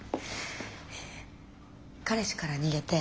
彼氏から逃げて。